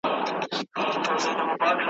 چي فرعون غوندي په خپل قدرت نازیږي ,